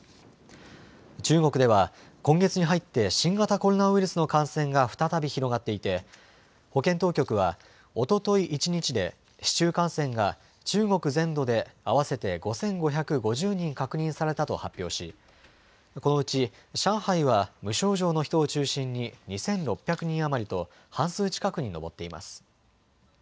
中国には今月に入って新型コロナウイルスの感染が再び広がっていて保健当局はおととい一日で市中感染が中国全土で合わせて５５５０人確認されたと発表しこのうち上海は無症状の人を中心に２６００人余りと半数近くに上っています。